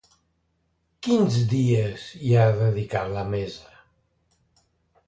Quins dies hi ha dedicat la mesa?